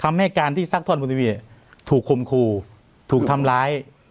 คำแม่การที่ซักทอดบุตรวีถูกคุมครูถูกทำร้าย